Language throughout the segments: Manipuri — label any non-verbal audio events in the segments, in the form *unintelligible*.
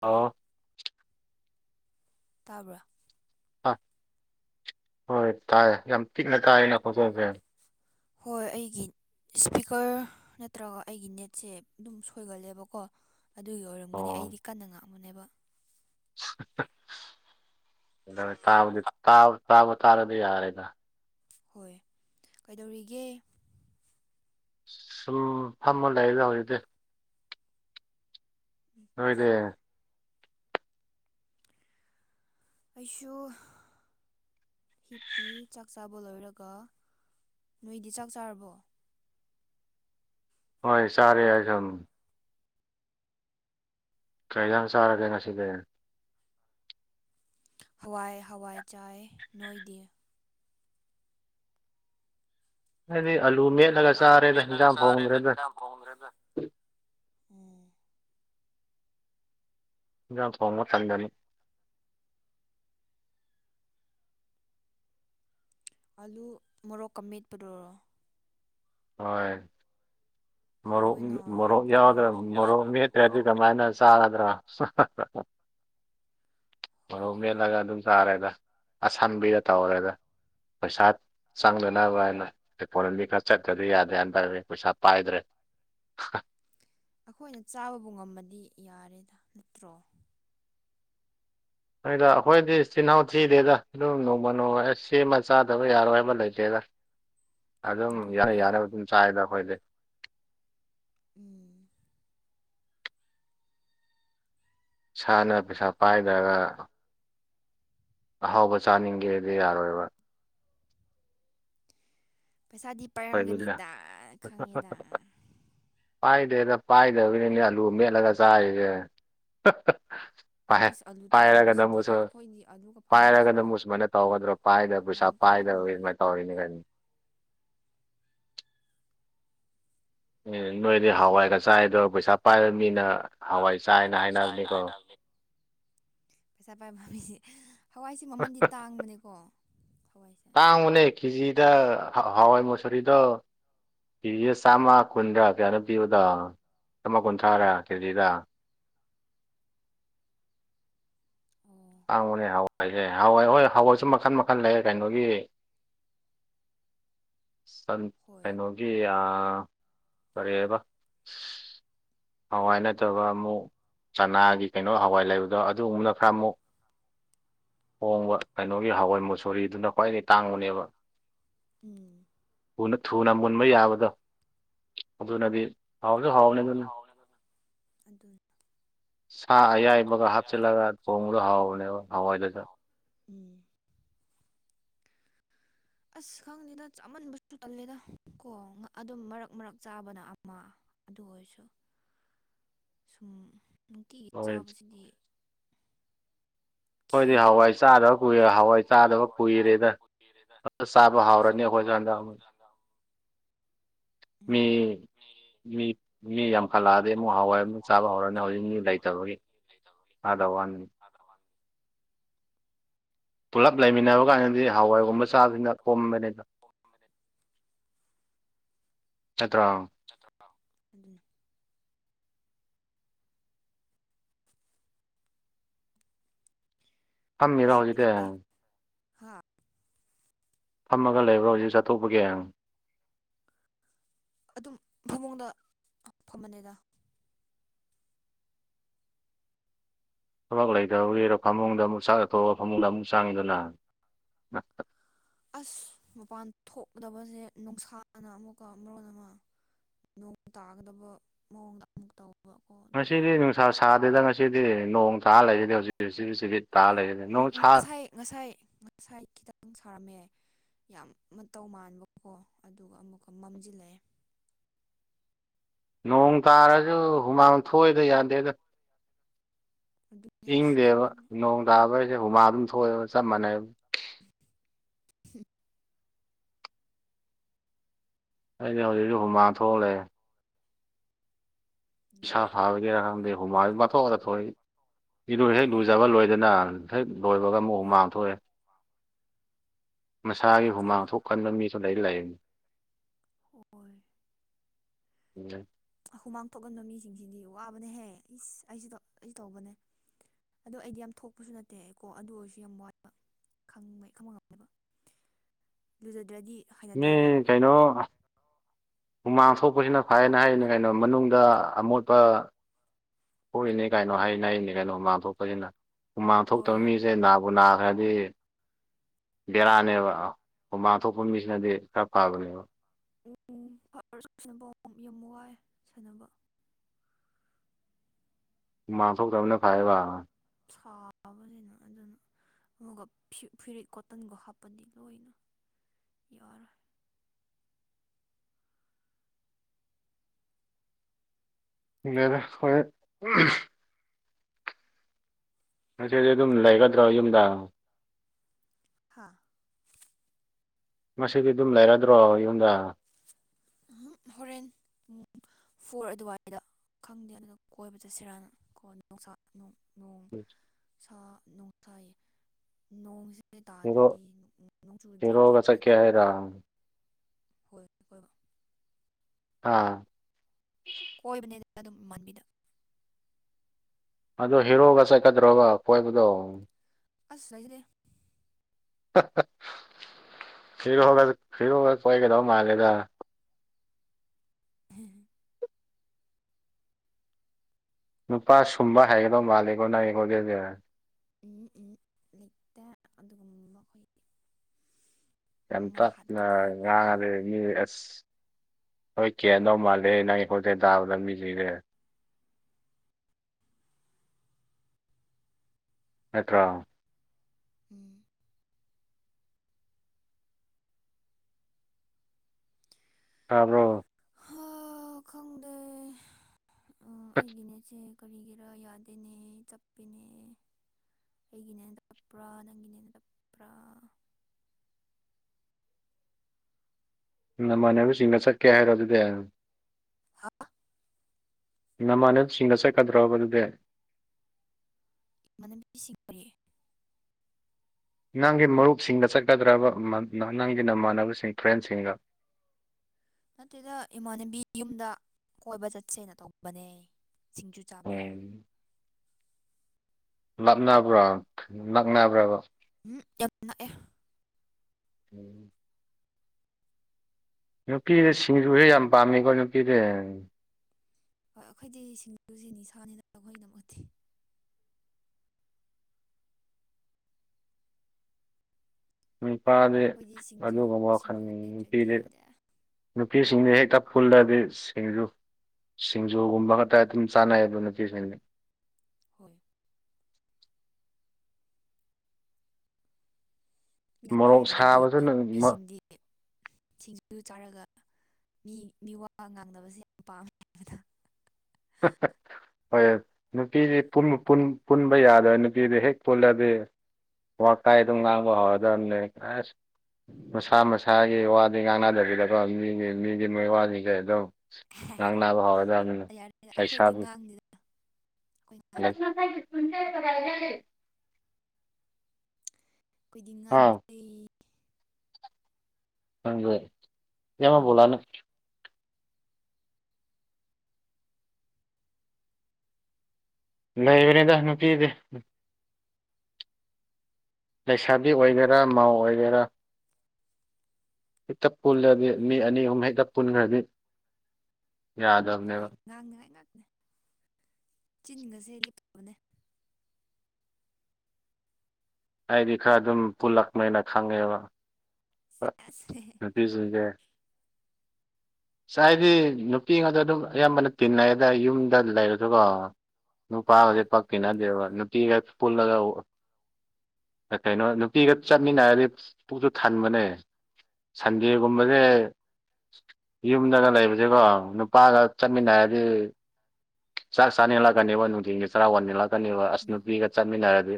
ꯍꯜꯂꯣ ꯑꯣ ꯇꯥꯕ꯭ꯔꯥ ꯑꯥ ꯍꯣꯏ ꯇꯥꯏ ꯌꯥꯝ ꯄꯤꯛꯅ ꯇꯥꯏꯌꯦ ꯅꯪ ꯈꯣꯟꯖꯦꯟꯁꯦ ꯍꯣꯏ ꯑꯩꯒꯤ ꯏꯁꯄꯤꯀꯔ ꯅꯠꯇ꯭ꯔꯒ ꯑꯩꯒꯤ ꯅꯦꯠꯁꯦ ꯑꯗꯨꯝ ꯁꯣꯏꯒꯜꯂꯦꯕꯀꯣ ꯑꯗꯨꯒꯤ ꯑꯣꯏꯔꯝꯒꯅꯤ ꯑꯣ ꯑꯩꯗꯤ ꯀꯟꯅ ꯉꯥꯛꯕꯅꯦꯕ ꯇꯥꯕꯗꯤ ꯇꯥꯕ ꯇꯥꯔꯗꯤ ꯌꯥꯔꯦꯗ ꯍꯣꯏ ꯀꯩꯗꯧꯔꯤꯒꯦ ꯁꯨꯝ ꯐꯝꯃꯣ ꯂꯩꯔꯦꯗ ꯍꯧꯖꯤꯛꯗꯤ ꯅꯣꯢꯗꯤ ꯑꯩꯩꯁꯨ ꯍꯤꯞꯄꯤ ꯆꯥꯛ ꯆꯥꯕ ꯂꯣꯏꯔꯒ ꯅꯣꯏꯗꯤ ꯆꯥꯛ ꯆꯥꯔꯕꯣ ꯍꯣꯏ ꯆꯥꯔꯦ ꯑꯩ ꯁꯝ ꯀꯔꯤ ꯍꯦꯟꯖꯥꯡ ꯆꯥꯔꯒꯦ ꯉꯁꯤꯗꯤ ꯍꯋꯥꯏ-ꯍꯋꯥꯏ ꯆꯥꯏ ꯅꯣꯏꯗꯤ ꯑꯩꯗꯤ ꯑꯂꯨꯃꯤ ꯑꯂ ꯨꯃꯦꯠꯂꯒ ꯆꯥꯔꯦꯗꯥ ꯍꯦꯟꯖꯥꯡ ꯐꯣꯡꯗ꯭ꯔꯦꯗ ꯍꯦꯟꯖꯥꯡ ꯊꯣꯡꯕ ꯇꯟꯗꯅ ꯑꯂꯨ ꯃꯣꯔꯣꯛꯀ ꯃꯦꯠꯄꯗꯨꯔꯣ ꯍꯣꯏ ꯍꯥꯎꯋꯦꯅ ꯃꯣꯔꯣꯛ-ꯃꯣꯔꯣꯛ ꯑꯗꯨꯗꯤ ꯌꯥꯎꯗ꯭ꯔ ꯃꯣꯔꯣꯛ ꯌꯥꯎꯗ꯭ꯔꯕ ꯃꯦꯠꯇ꯭ꯔꯗꯤ ꯃꯣꯔꯣꯛ ꯃꯦꯠ ꯀꯃꯥꯏꯅ ꯆꯥꯒꯗ꯭ꯔꯣ ꯍꯣꯏ ꯃꯔꯣꯡ ꯍꯣꯏ ꯃꯦꯜꯂꯒ ꯑꯗꯨꯝ ꯆꯥꯔꯦꯗ ꯑꯁꯝꯕꯤꯗ ꯇꯧꯔꯦꯗ ꯄꯩꯁꯥ ꯆꯪꯗꯅꯕ ꯍꯥꯏꯅ ꯐꯣꯔꯦꯟꯗꯤ ꯈꯔ ꯆꯠ ꯆꯗꯤ ꯌꯥꯗꯦ ꯍꯥꯏꯟ ꯇꯔꯗꯤ ꯄꯩꯁꯥ ꯄꯥꯏꯗ꯭ꯔꯦ *unintelligible* ꯑꯩꯈꯣꯏꯅ ꯆꯥꯕꯕꯨ ꯉꯝꯃꯥꯗꯤ ꯌꯥꯔꯦꯗ ꯅꯠꯇ꯭ꯔꯣ ꯅꯣꯏꯗ ꯑꯩꯈꯣꯏꯗꯤ ꯆꯤꯜꯍꯅꯥꯥꯎ ꯊꯤꯗꯦꯗ ꯑꯗꯨꯝ ꯅꯣꯡꯃ-ꯅꯣꯡꯃ ꯁꯦꯝꯃ ꯆꯥꯗꯕ ꯌꯥꯔꯣꯏ ꯍꯥꯏꯕ ꯂꯩꯇꯦꯗ *inaudible* ꯑꯗꯨꯝ ꯑꯗꯨꯅꯦ ꯌꯥꯅ-ꯌꯥꯅꯕ ꯑꯗꯨꯝ ꯆꯥꯏꯗ ꯑꯩꯈꯣꯏꯗꯤ ꯎꯝ ꯏꯁꯥꯅ ꯄꯩꯁꯥ ꯄꯥꯏꯗ꯭ꯔꯒ ꯑꯍꯥꯎꯕ ꯆꯥꯅꯤꯡꯒꯦꯗꯤ ꯌꯥꯔꯣꯏꯕ ꯄꯩꯁꯥꯗꯤ ꯑꯩꯈꯣꯏꯗꯤ ꯄꯥꯏꯔꯝꯒꯅꯤꯗ ꯈꯪꯉꯦꯗ ꯄꯥꯏꯗꯦꯗ ꯄꯥꯏꯗꯕꯒꯤꯅꯦ ꯑꯂꯨ ꯃꯦꯠꯂꯒ ꯆꯥꯔꯤꯁꯦ ꯥꯏ ꯏꯁ ꯑꯥꯂꯨ ꯄꯥꯏꯔꯒꯗꯕꯨ ꯇꯥꯡꯕꯁꯤꯗꯤ ꯁꯨ ꯑꯩꯈꯣꯏꯗꯤ ꯑꯥꯂꯨꯒ ꯐꯪꯗꯦ ꯄꯥꯏꯔꯒꯗꯕꯨ ꯁꯣꯏꯅ ꯑꯃꯨꯛ ꯁꯨꯃꯥꯏꯅ ꯇꯧꯒꯗ꯭ꯔꯣ ꯄꯥꯏꯗ ꯄꯩꯁꯥ ꯃꯃꯜ ꯄꯥꯏꯗꯕꯩ ꯇꯥꯡꯃꯟꯕꯒꯤ ꯁꯨꯃꯥꯏ ꯇꯧꯔꯤꯅꯤ ꯀꯩꯅꯣ ꯅꯣꯏꯗꯤ ꯍꯋꯥꯏꯒ ꯆꯥꯏꯗꯣ ꯄꯩꯁꯥ ꯄꯥꯏꯔꯝꯅꯤꯅꯥ ꯑ ꯍꯣꯏ ꯆ ꯍꯥꯏꯅ ꯍꯥꯏꯅꯅꯤ *unintelligible* ꯄꯩꯁꯥ ꯄꯥꯏꯕ ꯃꯤꯗꯤ ꯍꯋꯥꯏꯁꯦ ꯃꯃꯜꯗꯤ ꯇꯥꯡꯕꯅꯦꯀꯣ ꯍꯋꯥꯏꯁꯦ ꯇꯥꯡꯕꯅꯦ ꯀꯦꯖꯤꯗ ꯍꯋꯥꯏ ꯃꯨꯁꯣꯔꯤꯗꯣ ꯀꯦꯖꯤꯗ ꯆꯥꯝꯃ ꯀꯨꯟꯗꯥ ꯀꯌꯥꯅꯣ ꯄꯤꯕꯗꯣ ꯆꯥꯝꯃꯥ ꯀꯨꯟꯊ꯭ꯔꯥꯔꯥ ꯀꯦꯖꯤꯗ ꯑꯣ ꯇꯥꯡꯕꯅꯦ ꯍꯋꯥꯏꯁꯦ ꯍꯋꯥꯏ ꯍꯣꯏ ꯍꯋꯥꯏꯁꯨ ꯃꯈꯟ-ꯃꯈꯟ ꯂꯩ ꯀꯩꯅꯣꯒꯤ ꯁꯟ ꯍꯣꯏ ꯀꯩꯅꯣꯒꯤ ꯀꯔꯤꯑꯕꯥ ꯍꯋꯥꯏ ꯅꯠꯇꯕ ꯑꯃꯨꯛ ꯆꯅꯥꯒꯤ ꯀꯩꯅꯣ ꯍꯋꯥꯏ ꯂꯩꯕꯗꯣ ꯑꯗꯨꯒꯨꯝꯕꯅ ꯈꯔ ꯑꯃꯨꯛ ꯍꯣꯡꯕ ꯀꯩꯅꯣꯒꯤ ꯍꯋꯥꯏ ꯃꯨꯁꯣꯔꯤꯗꯨꯅ ꯈ꯭ꯋꯥꯏꯗꯒꯤ ꯇꯥꯡꯕꯅꯦꯕ ꯎꯝ ꯊꯨꯅ-ꯊꯨꯅ ꯃꯨꯟꯕ ꯌꯥꯕꯗꯣ ꯑꯗꯨꯅꯗꯤ ꯍꯥꯎꯁꯨ ꯍꯥꯎꯕꯅꯤ ꯍꯥꯎꯕꯅꯦ ꯑꯗꯨꯅ ꯍꯥꯎꯕꯅꯦ ꯑꯗꯨꯗꯤ ꯑꯗꯨ ꯁꯥ ꯁꯥ ꯑꯌꯥꯏꯕꯒ ꯑꯌꯥꯏꯕ ꯍꯥꯞꯆꯤꯜꯂꯒ ꯊꯣꯡꯕꯗꯣ ꯍꯥꯞꯆꯤꯜꯂꯒ ꯀꯣ ꯍꯥꯎꯕꯅꯦꯕ ꯍꯋꯥꯏꯗꯨꯁꯨ *unintelligible* ꯎꯝ ꯑꯁ ꯈꯪꯗꯦꯗ ꯆꯥꯃꯟꯕꯁꯨ ꯇꯜꯂꯦꯗ ꯀꯣ ꯑꯗꯨꯝ ꯃꯔꯛ ꯃꯔꯛ ꯆꯥꯕꯅ ꯑꯃ ꯑꯗꯨ ꯑꯣꯏꯔꯁꯨ ꯁꯨꯝ ꯅꯨꯡꯇꯤꯒꯤ ꯑꯩꯈꯣꯏꯗꯤ ꯆꯥꯕꯁꯤꯗꯤ ꯔꯦ ꯍꯋꯥꯏ ꯍꯣꯏꯅꯦ ꯆꯥꯗꯕ ꯍꯋꯥꯏ ꯀꯨꯏꯔꯦ ꯆꯥꯗꯕꯔ ꯀꯨꯏꯔꯦ ꯆꯥꯗꯕ ꯍꯋꯥꯏ ꯆꯥꯗꯕ ꯀꯨꯏꯔꯦꯗ ꯀꯨꯏꯔꯦꯗ ꯆꯥꯕ ꯍꯧꯔꯅꯤ ꯌꯥꯝ ꯑꯩꯈꯣꯏꯁꯨ ꯍꯥꯎꯔꯅꯤ ꯍꯟꯗꯛ ꯑꯩꯈꯣꯏ ꯑꯃꯨꯛ ꯗ *unintelligible* ꯃꯤ ꯃꯤ-ꯃꯤ ꯌꯥꯝꯈꯠꯂꯛꯑꯗꯤ ꯑꯃꯨꯛ ꯍꯋꯥꯏ ꯑꯃꯛ ꯆꯥꯕ ꯍꯧꯔꯅꯤ ꯍꯧꯖꯤꯛ ꯃꯤ ꯂꯩꯇꯕꯒꯤ ꯑꯗ ꯋꯥꯟꯅꯤ ꯑꯗ ꯋꯥꯅꯤ ꯄꯨꯂꯞ ꯂꯩꯃꯤꯟꯅꯕ ꯀꯥꯟꯗꯗꯤ ꯍꯋꯥꯏꯒꯨꯝꯕ ꯆꯥꯕꯁꯤꯅ ꯀꯣꯝꯕꯅꯤꯗ ꯅꯠꯇ꯭ꯔꯣ ꯅꯠꯇꯣ ꯑꯗꯨꯅꯤ ꯐꯝꯃꯤꯔꯣ ꯍꯧꯖꯤꯛꯇꯤ ꯃꯁꯤꯗꯤ ꯍꯥ ꯐꯝꯃꯒ ꯂꯩꯕ꯭ꯔꯣ ꯍꯧꯖꯤꯛ ꯆꯠꯊꯣꯛꯄꯒꯤ ꯑꯗꯨꯝ ꯐꯃꯨꯡꯗ ꯐꯝꯕꯅꯤꯗ ꯊꯕꯛ ꯂꯩꯇꯕꯒꯤꯔꯣ ꯐꯃꯨꯡꯗ ꯑꯃꯨꯛ ꯆꯥꯛ ꯆꯥꯊꯣꯛꯑꯒ ꯐꯃꯨꯡꯗ ꯑꯃꯨꯛ ꯆꯥꯡꯉꯤꯗꯨꯅ ꯑꯁ ꯃꯄꯥꯟ ꯊꯣꯛꯀꯗꯕꯁꯦ ꯅꯨꯡꯁꯥꯅ ꯑꯃꯨꯛꯀ ꯃꯔꯣꯟ ꯑꯃ ꯅꯣꯡ ꯇꯥꯒꯗꯕ ꯃꯑꯣꯡꯗ ꯑꯃꯨ ꯇꯧ ꯉꯁꯤꯗꯤ ꯅꯨꯡꯁꯥ ꯁꯥꯗꯦꯗ ꯉꯁꯤꯗꯤ ꯅꯣꯡ ꯇꯥꯔ ꯂꯩꯔꯤꯗꯤ ꯍꯧꯖꯤꯛ ꯍꯧꯖꯤꯛ ꯍꯧꯖꯤꯛ ꯇꯥ ꯂꯩꯔꯦꯅꯦ ꯅꯨꯡꯁꯥ ꯉꯁꯥꯏ ꯉꯁꯥꯏ ꯉꯁꯥꯏ ꯈꯤꯇꯪ ꯁꯥꯔꯝꯃꯦ ꯌꯥꯝ ꯃꯇꯧ ꯃꯥꯟꯕ ꯀꯣ ꯑꯗꯨꯒ ꯑꯃꯨꯛꯀ ꯃꯝꯖꯤꯜꯂꯛꯑꯦ ꯅꯣꯡ ꯇꯥꯔꯁꯨ ꯍꯨꯃꯥꯡ ꯊꯣꯛꯏꯗ ꯌꯥꯗꯦꯗ ꯑꯗꯨ ꯏꯪꯗꯦꯕ ꯅꯣꯡ ꯇꯥꯕꯩꯁꯨ ꯍꯨꯃꯥꯡ ꯑꯗꯨꯝ ꯊꯣꯛꯑꯦꯕ ꯆꯞ ꯃꯥꯟꯅꯩꯕ ꯑꯩꯁꯦ ꯍꯧꯖꯤꯛꯁꯨ ꯍꯨꯃꯥꯡ ꯊꯣꯛ ꯂꯩ ꯏꯁꯥ ꯑꯗꯨꯅ ꯐꯕꯒꯤꯔ ꯈꯪꯗꯦ ꯍꯨꯃꯥꯡꯁꯦ ꯄꯪꯊꯣꯛꯇ ꯑꯩꯈꯣꯏ ꯏꯔꯨ ꯍꯦꯛ ꯍꯣꯏ ꯂꯨꯖꯕ ꯂꯣꯏꯗꯅ ꯍꯦꯛ ꯂꯣꯏꯕꯒ ꯑꯃꯨꯛ ꯍꯣꯏ ꯍꯨꯃꯥꯡ ꯊꯣꯛꯑꯦ ꯃꯁꯥꯒꯤ ꯍꯨꯃꯥꯡ ꯑꯗꯨꯅ ꯊꯣꯛꯀꯟꯕ ꯃꯤꯁꯨ ꯂꯩꯗꯤ ꯂꯩꯕꯅꯤ ꯍꯣꯏ ꯎꯝ ꯍꯨꯃꯥꯡ ꯊꯣꯛꯀꯟꯕ ꯃꯤꯁꯤꯡꯁꯤꯗꯤ ꯋꯥꯕꯅꯦꯍꯦ ꯏꯁ ꯑꯩꯁꯨ ꯇꯧ ꯑꯩꯁꯨ ꯇꯧꯕꯅꯦ ꯑꯗꯣ ꯑꯩꯗꯤ ꯌꯥꯝ ꯊꯣꯛꯄꯁꯨ ꯅꯠꯇꯦ ꯑꯩꯀꯣ ꯑꯗꯨ ꯑꯣꯏꯔꯁꯨ ꯌꯥꯝ ꯋꯥꯠꯄ ꯈꯪꯕꯩ ꯈꯪꯕ ꯉꯝꯅꯦꯕ ꯂꯨꯖꯥꯗ꯭ꯔꯥꯗꯤ ꯃꯤ ꯀꯩꯅꯣ ꯍꯨꯃꯥꯡ ꯊꯣꯛ ꯊꯣꯛꯄꯁꯤꯅ ꯐꯩꯌꯦꯅ ꯍꯥꯏꯔꯤꯅꯤ ꯀꯩꯅꯣ ꯃꯅꯨꯡꯗ ꯑꯃꯣꯠꯄ ꯊꯣꯛꯏꯅꯤ ꯀꯩꯅꯣ ꯍꯥꯏꯅꯔꯤꯅꯤ ꯀꯩꯅꯣ ꯍꯨꯃꯥꯡ ꯊꯣꯛꯄꯁꯤꯅ ꯍꯨꯃꯥꯡ ꯊꯣꯛꯇꯕ ꯍꯣꯏ ꯃꯤꯁꯦ ꯅꯥꯕꯨ ꯅꯥꯈ꯭ꯔꯗꯤ ꯕꯦꯔꯥꯅꯦꯕ ꯍꯨꯃꯥꯡ ꯊꯣꯛꯄ ꯃꯤꯁꯤꯅꯗꯤ ꯈꯔ ꯐꯕꯅꯦꯕ ꯎꯝ ꯐꯔꯁꯨꯅꯕ ꯌꯥꯝ ꯋꯥꯏ ꯁꯥꯟꯅꯕ ꯍꯨꯃꯥꯡ ꯊꯣꯛꯇꯕꯅ ꯐꯩꯌꯦꯕ ꯁꯥꯕꯅꯤꯅ ꯑꯗꯨꯅ ꯑꯃꯨꯒ ꯐꯤꯌꯨ ꯐꯨꯔꯤꯛ ꯀꯣꯇꯟꯒ ꯍꯥꯞꯄꯗꯤ ꯂꯣꯏꯅ ꯌꯥꯔꯣꯏ *unintelligible* ꯉꯁꯤꯗꯤ ꯑꯗꯨꯝ ꯂꯩꯒꯗ꯭ꯔꯣ ꯌꯨꯝꯗ ꯍꯥꯥ ꯉꯁꯤꯗꯤ ꯑꯗꯨꯝ ꯂꯩꯔꯗ꯭ꯔꯣ ꯌꯨꯝꯗ ꯎꯝꯍꯨꯝ ꯍꯣꯔꯦꯟ ꯄꯨꯡ ꯐꯣꯔ ꯑꯗꯨꯋꯥꯏꯗ ꯈꯪꯗꯦ ꯑꯗꯨꯗ ꯀꯣꯏꯕ ꯆꯠꯁꯤꯔꯅ ꯀꯣꯟꯅ ꯅꯨꯡꯁꯥ ꯅꯣꯡ ꯅꯣꯡ ꯁꯥ ꯅꯣꯡꯁꯥ ꯌꯥ ꯅꯣꯡꯖꯤ ꯅ ꯍꯦꯔꯣ ꯇꯥꯗ꯭ꯔꯗꯤ ꯅꯣꯡ ꯆꯨꯗ꯭ꯔꯗꯤ ꯅꯠꯇ꯭ꯔꯒ ꯔꯥ ꯍꯣꯏ ꯀꯣꯏꯕ ꯑꯥ ꯀꯣꯏꯕꯅꯦꯗꯅ ꯑꯗꯨꯝ ꯃꯥꯟꯕꯤꯗꯣ ꯑꯗꯣ ꯍꯦꯔꯣꯒ ꯆꯠꯀꯗ꯭ꯔꯣꯒ ꯀꯣꯏꯕꯗꯣ ꯑꯁ ꯂꯩꯇꯦ ꯐꯔꯣꯒ ꯐꯤꯔꯣꯒ ꯀꯣꯏꯒꯗꯧ ꯃꯥꯜꯂꯦꯗ *inaudible* ꯅꯨꯄꯥ ꯁꯨꯝꯕ ꯍꯥꯏꯒꯗꯧ ꯃꯥꯜꯂꯦꯀꯣ ꯅꯪ ꯈꯣꯟꯖꯦꯜꯁꯦ ꯎꯝ ꯎꯝ ꯂꯩꯇ ꯑꯗꯨꯒꯨꯝ ꯑꯩꯈꯣꯏ ꯌꯥꯝ ꯃꯣꯏꯅ ꯇꯞꯅ ꯍꯥꯠꯀꯅꯤ ꯑꯩꯕꯨ ꯉꯥꯡꯉꯗꯤ ꯃꯤ ꯑꯁ ꯍꯣꯏ ꯀꯦꯟꯗꯧ ꯃꯥꯜꯂꯦ ꯅꯪꯒꯤ ꯈꯣꯟꯖꯦꯜ ꯇꯥꯕ ꯃꯤꯁꯤꯡꯁꯦ ꯅꯠꯇ꯭ꯔꯣ ꯎꯝ ꯇꯥꯕ꯭ꯔꯣ ꯍꯥꯎ ꯈꯪꯗꯦ ꯑ ꯑꯩꯒꯤꯅꯦ ꯆꯦ ꯀꯔꯤꯒꯤꯔ ꯌꯥꯗꯦꯅꯦ ꯆꯞꯄꯦꯅꯦ ꯑꯩꯒꯤꯅꯦꯟ ꯇꯞꯄ꯭ꯔꯥ ꯅꯪꯒꯤꯅꯦꯟ ꯇꯞꯄ꯭ꯔꯥ ꯅꯃꯥꯟꯅꯕꯤꯁꯤꯡꯗ ꯆꯠꯀꯦ ꯍꯥꯏꯔꯣ ꯑꯗꯨꯗꯤ ꯍꯥ ꯅꯃꯥꯟꯅꯁꯤꯡꯗ ꯆꯠꯀꯗ꯭ꯔꯣꯕ ꯑꯗꯨꯗꯤ *unintelligible* ꯅꯪꯒꯤ ꯃꯔꯨꯞꯁꯤꯡꯗ ꯆꯠꯀꯗ꯭ꯔꯕ ꯅꯪꯒꯤ ꯅꯃꯥꯟꯅꯕꯁꯤꯡ ꯐ꯭ꯔꯦꯟꯁꯤꯡꯒ ꯅꯠꯇꯦꯗ ꯏꯃꯥꯟꯅꯕꯤ ꯌꯨꯝꯗ ꯀꯣꯏꯕ ꯆꯠꯁꯦꯅ ꯇꯧꯕꯅꯦ ꯁꯤꯡꯖꯨ ꯆꯥꯕ ꯎꯝ ꯂꯥꯞꯅꯕ꯭ꯔꫭ ꯅꯛꯅꯕ꯭ꯔꫭꯕ ꯎꯝ ꯌꯥꯝ ꯅꯛꯑꯦ ꯎꯝ ꯅꯨꯄꯤꯁ ꯁꯤꯡꯖꯨꯁꯦ ꯌꯥꯝ ꯄꯥꯝꯃꯦꯀꯣ ꯅꯨꯄꯤꯁꯦ ꯍꯣꯏ ꯑꯩꯈꯣꯏꯗꯤ ꯁꯤꯡꯖꯨꯁꯤ ꯅꯤꯁꯥꯥꯅꯤꯗ ꯅꯈꯣꯏꯗꯝꯃꯠꯇꯦ ꯅꯨꯄꯥꯗꯤ ꯑꯩꯈꯣꯏꯗꯤ ꯁꯤꯡꯖꯨ ꯑꯗꯨꯒꯨꯝꯕ ꯋꯥꯈꯜ ꯁꯤꯡꯖꯨ ꯂꯩꯇ꯭ꯔꯗꯤ ꯅꯨꯄꯤꯗꯤ ꯌꯥꯗꯦ ꯅꯨꯄꯤꯁꯤꯡꯅ ꯍꯦꯛꯇ ꯐꯨꯜꯂꯗꯤ ꯁꯤꯡꯖꯨ ꯁꯤꯡꯖꯨꯒꯨꯝꯕ ꯈꯛꯇ ꯑꯗꯨꯝ ꯆꯥꯅꯩꯕ ꯅꯨꯄꯤꯁꯤꯡꯗꯤ ꯍꯣꯏ *unintelligible* ꯃꯣꯔꯣꯛ ꯍꯥꯏꯕꯗꯨꯗꯤ ꯁꯥꯕꯁꯨ ꯃꯤꯁꯤꯡꯗꯤ *unintelligible* *unintelligible* ꯁꯤꯡꯖꯨ ꯆꯥꯔꯒ ꯃꯤ ꯃꯤꯋꯥ ꯉꯥꯡꯗꯕꯁꯦ ꯌꯥꯝ ꯄꯥꯝꯃꯦ *inaudible* ꯍꯣꯏ ꯅꯨꯄꯤꯗꯤ ꯄꯨꯟꯕꯨ ꯄꯨꯟ ꯄꯨꯟꯕ ꯌꯥ *unintelligible* ꯅꯨꯄꯤꯗꯤ ꯍꯦꯛ ꯄꯨꯜꯂꯗꯤ ꯋꯥ ꯀꯥꯏ ꯗꫭ ꯉꯥꯡꯕ ꯍꯧꯔꯗꯥꯕꯅꯦ ꯑꯁ ꯃꯁꯥ ꯃꯁꯥꯒꯤ ꯋꯥꯗꯤ ꯉꯥꯡꯅꯗꯕꯤꯗꯀꯣ ꯃꯤꯒꯤ ꯃꯤꯒꯤ ꯃꯤ ꯋꯥꯁꯤꯡꯁꯦ ꯑꯗꯨꯝ ꯉꯟꯅꯥꯕ ꯍꯧꯔꯗꯕꯅꯤ ꯌꯥꯔꯦ ꯑꯩꯈꯣꯏꯗꯤ ꯂꯩꯁꯥꯕꯤ ꯉꯥꯡꯗꯦꯗ *unintelligible* *unintelligible* ꯑꯩꯈꯣꯏꯗꯤ ꯉꯥꯡꯗꯦ ꯑꯥ *unintelligible* ꯅꯪꯖꯦ ꯎꯝ *unintelligible* ꯂꯩꯕꯅꯤꯗ ꯅꯨꯄꯤꯗꯤ ꯂꯩꯁꯥꯕꯤ ꯑꯣꯏꯒꯦꯔꯥ ꯃꯥꯎ ꯑꯣꯏꯒꯦꯔꯥ ꯍꯦꯛꯇ ꯄꯨꯜꯂꯗꯤ ꯃꯤ ꯑꯅꯤ ꯑꯍꯨꯝ ꯍꯦꯛꯇ ꯄꯨꯟꯈ꯭ꯔꯗꯤ ꯍꯣꯏ ꯌꯥꯗꯕꯅꯦꯕ ꯉꯥꯡꯅꯉꯥꯏ ꯉꯥꯛꯇꯅꯦ ꯆꯤꯟꯒꯁꯦ ꯂꯦꯞꯇꯕꯅꯦ ꯍꯥꯏꯗꯤ ꯈꯔ ꯑꯗꯨꯝ ꯄꯨꯜꯂꯛꯃꯦꯅ ꯈꯪꯉꯦꯕ ꯁꯦꯁ ꯅꯨꯄꯤꯁꯤꯡꯁꯦ ꯑꯁ ꯑꯩꯗꯤ ꯅꯨꯄꯤ ꯑꯉꯥꯡꯗ ꯑꯗꯨꯝ ꯑꯌꯥꯝꯕꯅ ꯇꯤꯟꯅꯌꯦꯗ ꯌꯨꯝꯗ ꯂꯩꯔꯁꯨꯀꯣ ꯅꯨꯄꯥꯒꯗꯤ ꯍꯣꯏ ꯄꯛ ꯇꯤꯟꯅꯗꯦꯕ ꯅꯨꯄꯤꯒꯦ ꯄꯨꯜꯂꯒ ꯀꯩ ꯀꯩꯅꯣ ꯅꯨꯄꯤꯒ ꯆꯠꯃꯤꯟꯅꯔꯗꯤ ꯄꯨꯛꯁꯨ ꯊꯟꯕꯅꯦ ꯁꯟꯗꯦꯒꯨꯝꯕꯁꯦ ꯌꯨꯝꯗꯒ ꯂꯩꯕꯁꯦꯀꯣ ꯅꯨꯄꯥꯒ ꯎꯝ ꯆꯠꯃꯤꯟꯅꯔꯗꯤ ꯆꯥꯛ ꯆꯥꯅꯤꯜꯂꯛꯀꯅꯦꯕ ꯅꯨꯡꯊꯤꯟꯒꯤ ꯆꯔꯥ ꯋꯥꯟꯅꯤꯜꯂꯛꯀꯅꯦꯕ ꯑꯁ ꯅꯨꯄꯤꯒ ꯆꯠꯃꯤꯟꯅꯔꯗꯤ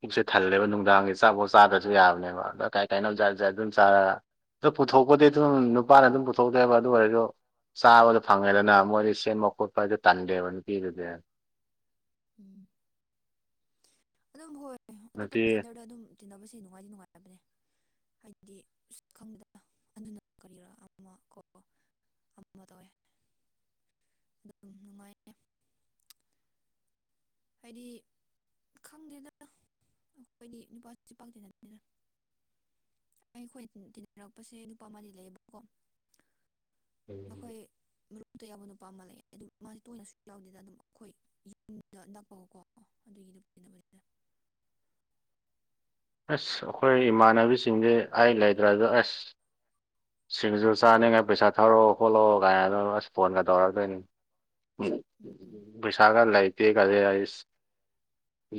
ꯄꯨꯛꯁꯦ ꯊꯜꯂꯦꯕ ꯅꯨꯡꯗꯥꯡꯒꯤ ꯆꯥꯛ *unintelligible* ꯆꯥꯗꯁꯨ ꯌꯥꯕꯅꯦꯕ ꯑꯗꯣ ꯀꯥꯏ ꯀꯥꯏꯅꫭ ꯖꯥꯠ ꯖꯥꯠ ꯑꯗꯨꯝ ꯆꯥꯔ ꯑꯗꯨ ꯄꯨꯊꯣꯛꯄꯗꯤ ꯑꯗꯨꯝ ꯅꯨꯄꯥꯅ ꯎꯝ ꯎꯝ ꯑꯗꯨꯝ ꯄꯨꯊꯣꯛꯇꯦꯕ ꯑꯗꯨ ꯑꯣꯏꯔꯁꯨ ꯆꯥꯕꯗ ꯐꯪꯉꯦꯗꯅ ꯃꯣꯏꯗꯤ ꯀꯣꯄ ꯑꯗꯨ ꯇꯥꯟꯗꯦꯕ ꯅꯨꯄꯤꯗꯥꯗꯤ ꯎꯝ ꯑꯗꯨꯝ ꯍꯣꯏ ꯅꯨꯄꯤ ꯑꯇꯣꯞꯄ ꯖꯦꯟꯗꯔꯗꯥ ꯑꯗꯨꯝ ꯇꯤꯟꯅꯕꯁꯦ ꯅꯨꯡꯉꯥꯏꯗꯤ ꯅꯨꯡꯉꯥꯏꯕꯅꯦ ꯍꯥꯏꯗꯤ ꯑꯁ ꯈꯪꯗꯗꯥ ꯑꯗꯨꯅ ꯀꯔꯤꯔꯥ ꯑꯃ ꯀꯣ ꯑꯃ ꯇꯧꯋꯦ ꯑꯗꯨꯝ ꯅꯨꯡꯉꯥꯏꯌꯦ ꯍꯥꯏꯗꯤ ꯈꯪꯗꯦꯗꯅ ꯑꯩꯈꯣꯏꯗꯤ ꯅꯨꯄꯥꯁꯤ ꯄꯥꯛ ꯇꯤꯟꯅꯗꯦꯗꯥ ꯑꯩꯈꯣꯏ ꯇꯤꯟꯅꯔꯛꯄꯁꯦ ꯅꯨꯄꯥ ꯑꯃꯗꯤ ꯂꯩꯌꯦꯕꯀꯣ ꯑꯩꯈꯣꯏ ꯃꯔꯨꯞꯇ ꯌꯥꯕ ꯅꯨꯄꯥ ꯑꯃ ꯂꯩ ꯑꯗꯨ ꯃꯥꯗꯤ ꯇꯣꯏꯅ ꯁꯨ ꯌꯥꯎꯗꯦꯗ ꯑꯗꯨꯝ ꯑꯩꯈꯣꯏ ꯌꯨꯝꯗꯣ ꯅꯛꯄꯒꯣꯀꯣ ꯑꯗꯨꯒꯤ ꯑꯗꯨꯝ ꯇꯤꯟꯅꯕꯅꯤꯗ ꯑꯁ ꯑꯩꯈꯣꯏ ꯏꯃꯥꯟꯅꯕꯤꯁꯤꯡꯁꯦ ꯑꯩ ꯂꯩꯗ꯭ꯔꯁꯨ ꯑꯁ ꯁꯤꯡꯖꯨ ꯆꯥꯅꯤꯡꯉꯥꯏ ꯄꯩꯁꯥ ꯊꯧꯔꯛꯑꯣ ꯈꯣꯠꯂꯛꯑꯣ ꯀꯥꯏꯅ ꯑꯁ ꯐꯣꯟꯒ ꯇꯧꯔꯛꯇꯣꯏꯅꯤ ꯎꯝ *unintelligible* ꯄꯩꯁꯥꯒꯥ ꯂꯩ ꯇꯦ ꯒꯁꯦ ꯑꯁ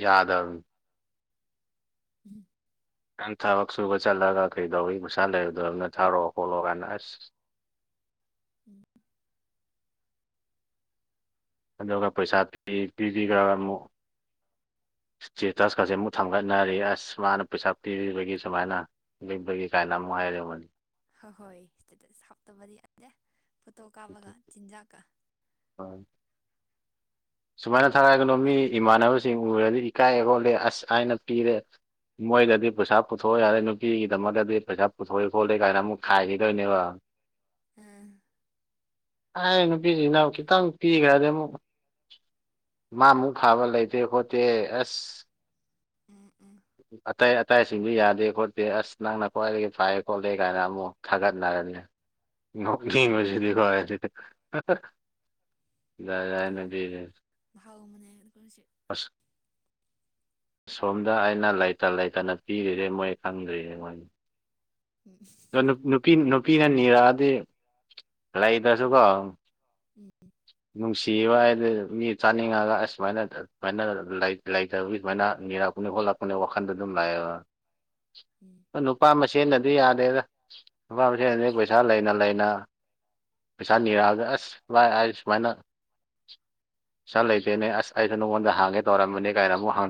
ꯌꯥꯗꯕꯅꯦ ꯎꯝ ꯅꯪ ꯊꯕꯛ ꯁꯨꯕ ꯆꯠꯂꯒ ꯀꯩꯗꯧꯕꯒꯤ ꯄꯩꯁꯥ ꯂꯩꯔꫭꯏꯗꯕꯅꫭ ꯊꯥꯔꯛꯑꯣ ꯈꯣꯠꯂꯣꯑꯣ ꯀꯥꯏꯅ ꯑꯁ ꯎꯝ ꯑꯗꯨꯒ ꯄꯩꯁꯥ ꯄꯤ ꯄꯤꯕꯤꯈ꯭ꯔꯒ ꯑꯃꯨꯛ ꯏꯁꯇꯦꯇꯁꯀꯁꯦ ꯑꯃꯨꯛ ꯊꯥꯡꯒꯠꯅꯔꯤ ꯑꯁ ꯃꯥꯅ ꯄꯩꯁꯥ ꯄꯤꯕꯤꯕꯒꯤ ꯁꯨꯃꯥꯏꯅ ꯂꯕꯒꯤ ꯀꯥꯏꯅ ꯑꯃꯨꯛ ꯍꯥꯏꯔꯝꯃꯅꯤ ꯍ ꯍꯣꯏ ꯏꯁꯇꯦꯇꯁ ꯍꯥꯞꯇꯕꯗꯤ ꯌꯥꯗꯦ ꯐꯣꯇꯣ ꯀꯥꯞꯄꯒ ꯆꯤꯟꯖꯥꯛꯀ ꯍ ꯁꯨꯃꯥꯏꯅ ꯊꯥꯔꯛꯒꯅꯣ ꯃꯤ ꯏꯃꯥꯟꯅꯕꯁꯤꯡ ꯎꯔꯗꯤ ꯏꯀꯥꯏ ꯈꯣꯠꯂꯦ ꯑꯁ ꯑꯥꯏꯅ ꯄꯤꯔꯦ ꯃꯣꯏꯗꯗꯤ ꯄꯩꯁꯥ ꯄꯨꯊꯣꯛꯑꯣ ꯌꯥꯔꯦ ꯅꯨꯄꯤꯒꯤꯗꯃꯛꯇꯗꯤ ꯄꯩꯁꯥ ꯄꯨꯊꯣꯛꯏ ꯈꯣꯠꯂꯦ ꯀꯥꯏꯅ ꯑꯃꯨꯛ ꯈꯥꯏꯈꯤꯗꯣꯏꯅꯦꯕ ꯑꯝ ꯑꯩ ꯅꯨꯄꯤꯁꯤ ꯏꯅꯥꯎ ꯈꯤꯇꯪ ꯄꯤꯈ꯭ꯔꯗꯤ ꯑꯃꯨꯛ ꯃꯥꯃꯨꯛ ꯐꯥꯕ ꯂꯩꯇꯦ ꯈꯣꯠꯇꯦ ꯑꯁ ꯎꯝ ꯎꯝ ꯑꯇꯩ ꯑꯇꯥꯏꯁꯤꯡꯗꯨ ꯌꯥꯗꯦ ꯈꯣꯠꯇꯦ ꯑꯁ ꯅꯪꯅ ꯈ꯭ꯋꯥꯏꯗꯒꯤ ꯐꯥꯏꯑ ꯈꯣꯠꯂꯦ ꯀꯥꯏꯅ ꯑꯃꯨꯛ ꯊꯥꯒꯠꯅꯔꯅꯤ *inaudible* ꯎꯝ ꯉꯁꯤꯗꯤ ꯌꯥ ꯌꯥꯪ ꯃꯍꯥꯎ ꯃꯅꯦ ꯑꯗꯨꯒꯖꯤ ꯑꯁ ꯁꯣꯝꯗ ꯑꯩꯅ ꯂꯩꯇ ꯂꯩꯇꯅ ꯄꯤꯔꯤꯔꯦ ꯃꯣꯏ ꯈꯪꯗ꯭ꯔꯤꯅꯦ ꯃꯣꯏꯒꯤ ꯎꯝ ꯑꯗ ꯅꯨꯄꯤ ꯅꯨꯄꯤꯅ ꯅꯤꯔꯛꯑꯗꯤ ꯂꯩꯗꯁꯨꯀꯣ ꯎꯝ ꯅꯨꯡꯁꯤꯕ ꯍꯥꯏꯗ ꯃꯤ ꯆꯥꯅꯤꯡꯉꯒ ꯑ ꯁꯃꯥꯏꯅ ꯑꯗꯨꯃꯥꯏꯅ ꯂꯩ ꯂꯩꯇꯕꯒꯤ ꯁꯨꯃꯥꯏꯅ ꯅꯤꯔꯛꯄꯅꯦ ꯈꯣꯠꯂꯛꯄꯅꯦ ꯋꯥꯈꯟꯗ ꯑꯗꯨꯝ ꯂꯥꯛꯑꯦꯕ ꯎꯝ ꯅꯨꯄꯥ ꯃꯁꯦꯟꯅꯗꯤ ꯌꯥꯗꯦꯗ ꯅꯨꯄꯥ ꯃꯁꯦꯟꯗꯤ ꯄꯩꯁꯥ ꯂꯩꯅ ꯂꯩꯅ ꯄꯩꯁꯥ ꯅꯤꯔꯛꯑꯒ ꯑꯁ ꯕꯥꯏ ꯑ ꯁꯨꯃꯥꯏꯅ ꯁꯥ ꯂꯩꯇꯦꯅꯦ ꯑꯁ ꯑꯩꯁꯨ ꯅꯉꯣꯟꯗ ꯍꯥꯡꯉꯦ ꯇꯧꯔꯝꯕꯅꯤ ꯀꯥꯏꯅ ꯑꯃꯨꯛ ꯍꯥꯡꯖꯦ